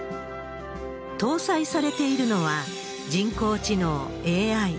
搭載されているのは、人工知能・ＡＩ。